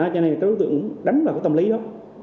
cho nên các đối tượng đánh vào tầm lý đó